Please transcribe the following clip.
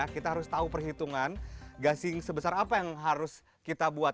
kita harus tahu perhitungan gasing sebesar apa yang harus kita buat